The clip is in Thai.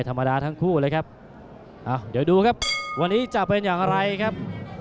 ธรรมดาทั้งคู่เลยครับอ้าวเดี๋ยวดูครับวันนี้จะเป็นอย่างไรครับ